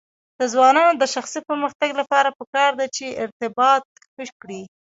د ځوانانو د شخصي پرمختګ لپاره پکار ده چې ارتباط ښه کړي.